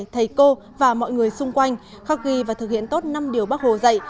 thầy cô và mọi người xung quanh khắc ghi và thực hiện tốt năm điều bắc hồ dạy